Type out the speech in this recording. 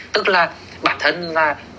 tức là bản thân là